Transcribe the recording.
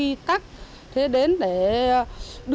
nó rất dễ thương mify